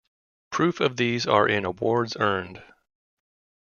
Proof of these are in awards earned.